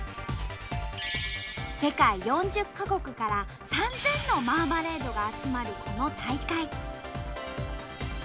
世界４０か国から３，０００のマーマレードが集まるこの大会。